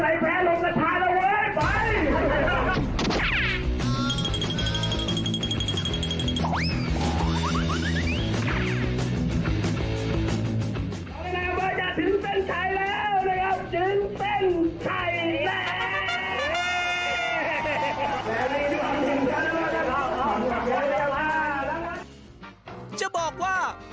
เราแน่นอนว่าจะถึงเส้นไข่แล้วนะครับ